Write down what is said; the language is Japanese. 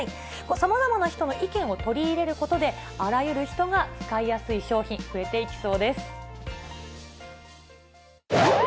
さまざまな人の意見を取り入れることで、あらゆる人が使いやすいこのシャツくさいよ。